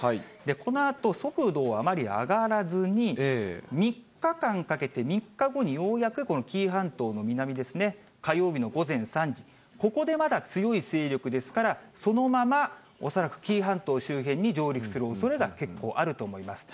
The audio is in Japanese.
このあと速度、あまり上がらずに、３日間かけて、３日後にようやく紀伊半島の南ですね、火曜日の午前３時、ここでまだ強い勢力ですから、そのまま恐らく紀伊半島周辺に上陸するおそれが結構あると思います。